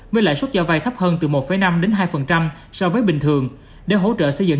với lãi suất cho vay thấp hơn từ một năm đến hai so với bình thường để hỗ trợ xây dựng